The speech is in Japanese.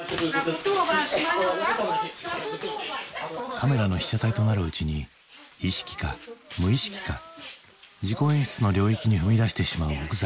カメラの被写体となるうちに意識か無意識か自己演出の領域に踏み出してしまう奥崎。